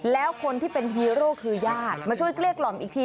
แล้วคนที่เป็นฮีโร่คือญาติมาช่วยเกลี้ยกล่อมอีกที